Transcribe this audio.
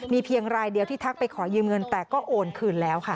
เพียงรายเดียวที่ทักไปขอยืมเงินแต่ก็โอนคืนแล้วค่ะ